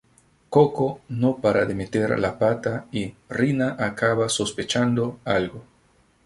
Coco no para de meter la pata y Rina acaba sospechando algo.